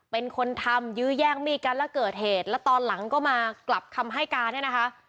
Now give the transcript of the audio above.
เป็นคนทำยื้อแย่งมีดกันแล้วเกิดเหตุแล้วตอนหลังก็มากลับคำให้การเนี่ยนะคะ